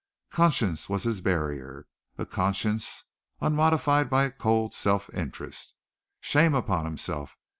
Conscience was his barrier, a conscience unmodified by cold self interest. Shame upon himself!